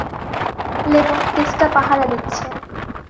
Lemon কেসটা পাহারা দিচ্ছে।